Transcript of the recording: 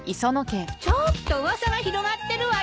ちょっと噂が広がってるわよ。